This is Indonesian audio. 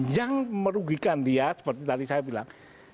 yang merugikan dia seperti tadi saya bilang